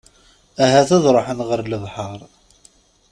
Ahat ad ruḥen ɣer lebḥer.